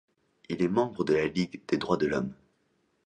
Il est membre de la Ligue des droits de l'Homme.